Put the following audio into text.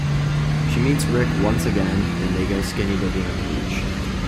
She meets Ric once again and they go skinny dipping at the beach.